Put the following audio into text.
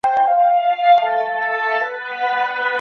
塞多费塔是葡萄牙波尔图区的一个堂区。